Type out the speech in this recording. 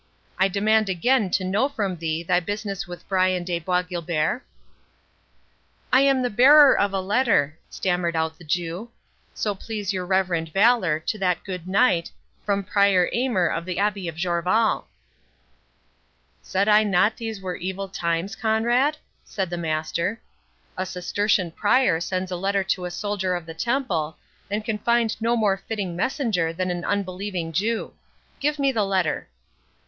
I demand again to know from thee thy business with Brian de Bois Guilbert?" "I am bearer of a letter," stammered out the Jew, "so please your reverend valour, to that good knight, from Prior Aymer of the Abbey of Jorvaulx." "Said I not these were evil times, Conrade?" said the Master. "A Cistertian Prior sends a letter to a soldier of the Temple, and can find no more fitting messenger than an unbelieving Jew.—Give me the letter."